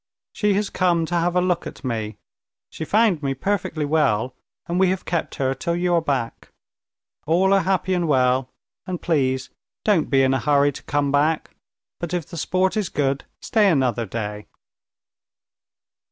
"She has come to have a look at me. She found me perfectly well, and we have kept her till you are back. All are happy and well, and please, don't be in a hurry to come back, but, if the sport is good, stay another day."